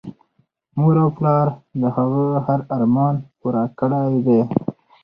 مور پلار د هغه هر ارمان پوره کړی دی